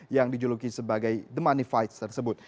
yang dijuluki sebagai the money fight tersebut